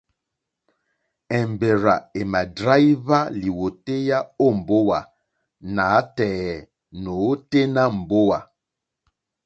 Èmbèrzà èmà dráíhwá lìwòtéyá ó mbówà nǎtɛ̀ɛ̀ nǒténá mbówà.